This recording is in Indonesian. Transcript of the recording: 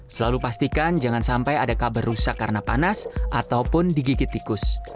selalu pastikan jangan sampai ada kabar rusak karena panas ataupun digigit tikus